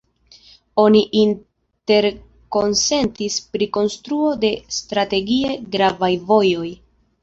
Oni interkonsentis pri konstruo de strategie gravaj vojoj.